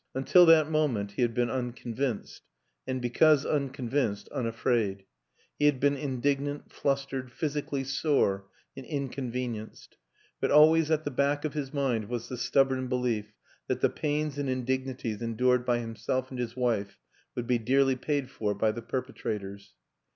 Until that moment he had been unconvinced, and, because unconvinced, un afraid; he had been indignant, flustered, physi cally sore and inconvenienced; but always at the back of his mind was the stubborn belief that the pains and indignities endured by himself and his wife would be dearly paid for by the perpetrators.